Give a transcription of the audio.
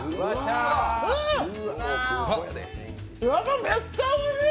ヤバ、めっちゃおいしい！